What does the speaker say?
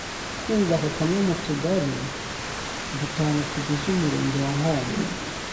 kakaba kamwe mu tugali dutanu tugize Umurenge wa Nkombo